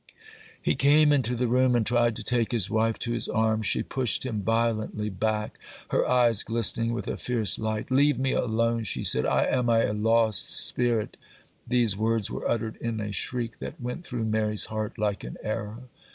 He came into the room, and tried to take his wife to his arms. She pushed him violently back, her eyes glistening with a fierce light. 'Leave me alone!' she said,—'I am a lost spirit!' These words were uttered in a shriek that went through Mary's heart like an arrow.